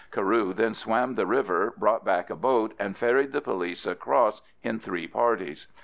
Carew then swam the river, brought back a boat, and ferried the police across in three parties.